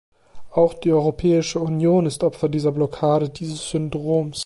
Auch die Europäische Union ist Opfer dieser Blockade, dieses Syndroms.